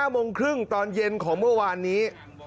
โมงครึ่งตอนเย็นของเมื่อวานนี้